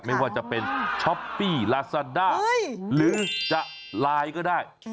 ไม่ว่าจะเป็นช้อปปี้ลาซาด้าหรือจะไลน์ก็ได้